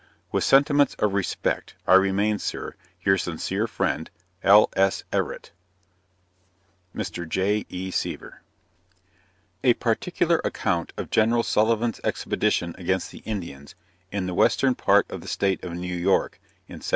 With sentiments of respect, I remain, sir, your sincere friend, L. S. EVERETT. Mr. J. E. Seaver. A particular account of General Sullivan's Expedition against the Indians, in the western part of the State of New York, in 1779.